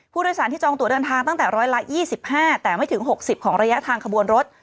ผู้โดยสารที่จองตัวเดินทางตั้งแต่ร้อยละ๒๕แต่ไม่ถึง๖๐ของระยะทางขบวนรถ